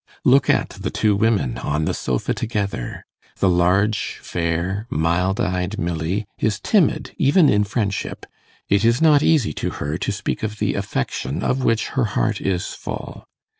Look at the two women on the sofa together! The large, fair, mild eyed Milly is timid even in friendship: it is not easy to her to speak of the affection of which her heart is full.